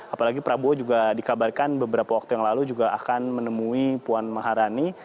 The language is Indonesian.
apalagi prabowo juga dikabarkan beberapa waktu yang lalu juga akan menemui puan maharani